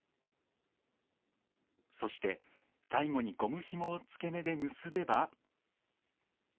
そして、最後にゴムひもを付け根で結べば。